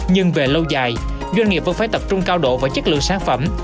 nhưng về lâu dài doanh nghiệp vẫn phải tập trung cao độ và chất lượng sản phẩm